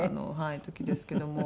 時ですけども。